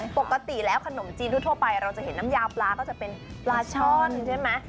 ปกติแล้วขนมจีนทั่วไปเราจะเห็นน้ำยาปลาก็จะเป็นปลาช่อนใช่ไหม